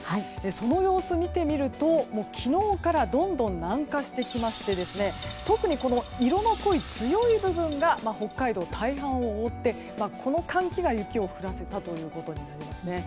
その様子を見てみると昨日からどんどん南下してきまして特に色の濃い強い部分が北海道大半を覆ってこの寒気が雪を降らせたということになりますね。